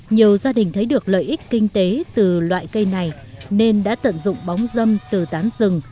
nhiều gia đình thấy được lợi ích kinh tế từ loại cây này nên đã tận dụng bóng dâm từ tán rừng